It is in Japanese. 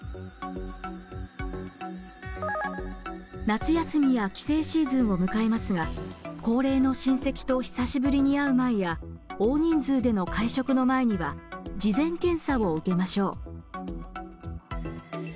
夏休みや帰省シーズンを迎えますが高齢の親戚と久しぶりに会う前や大人数での会食の前には事前検査を受けましょう。